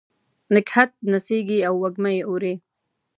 نګهت نڅیږې او وږمه یې اوري